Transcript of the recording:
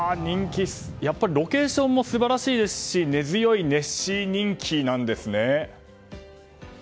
やっぱりロケーションも素晴らしいですし根強いネッシー人気なんですね。